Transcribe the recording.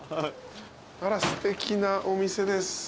あらすてきなお店です。